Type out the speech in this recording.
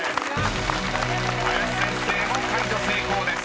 ［林先生も解除成功です］